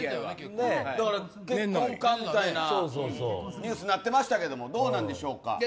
だから結婚かみたいなニュースになってましたけどもどうなんでしょうか？